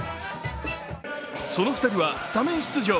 その２人はスタメン出場。